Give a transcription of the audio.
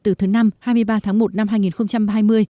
từ thứ năm hai mươi ba tháng một năm hai nghìn hai mươi